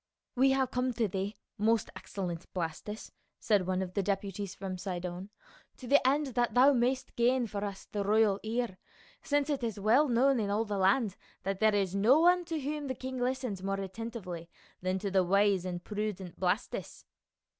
"We have come to thee, most excellent Blastus," said one of the deputies from Sidon, "to the end that thou mayst gain for us the royal ear, since it is well known in all the land that there is no one to whom the king listens more attentively than to the wise and prudent Blastus."